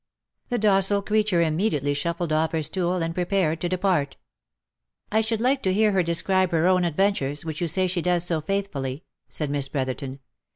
The docile creature immediately shuffled off her stool, and prepared to depart. " I should like to hear her describe her own adventures, which you say she does so faithfully," said Miss Brotherton.